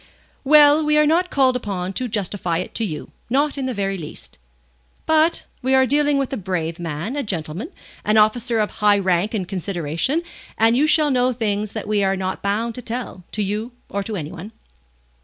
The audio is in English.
Well, we are not called upon to justify it to you, not in the very least. But we are dealing with a brave man, a gentleman, an officer of high rank and consideration, and you shall know things that we are not bound to tell, to you or to any one."